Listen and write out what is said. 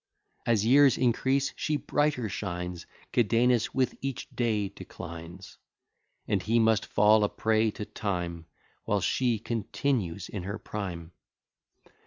As years increase, she brighter shines; Cadenus with each day declines: And he must fall a prey to time, While she continues in her prime.